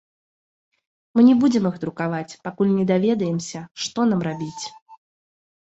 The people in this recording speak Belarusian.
Мы не будзем іх друкаваць, пакуль не даведаемся, што нам рабіць.